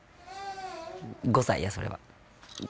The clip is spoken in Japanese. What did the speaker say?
５歳やそれは。